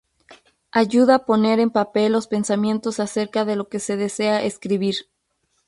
Ayuda poner en papel los pensamientos acerca de lo que se desea escribir.